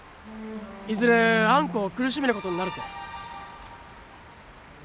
いずれあんこを苦しめることになるて。